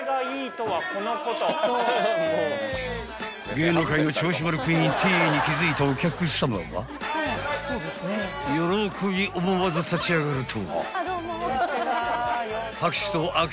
［芸能界の銚子丸クイーンＴに気付いたお客さまは喜び思わず立ち上がると］